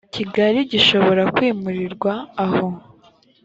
kigali gishobora kwimurirwa aho